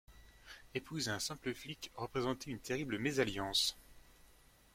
Épouser un simple flic représentait une terrible mésalliance.